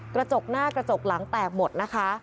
กระจกหน้ากระจกหลังแตกหมดนะคะ